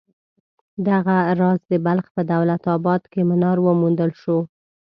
دغه راز د بلخ په دولت اباد کې منار وموندل شو.